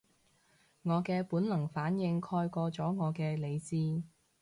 我嘅本能反應蓋過咗我嘅理智